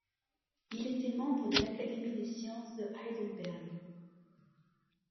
Il était membre de l'Académie des sciences de Heidelberg.